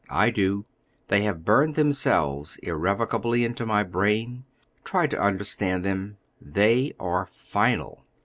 I do. They have burned themselves irrevocably into my brain; try to understand them, they are final.